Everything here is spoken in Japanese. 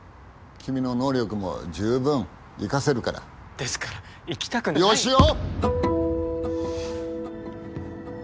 君の能力も十分生かせるからですから行きたくない佳男！